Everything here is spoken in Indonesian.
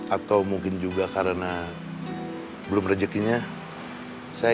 atau mungkin juga karena belum rejekinya saya gagal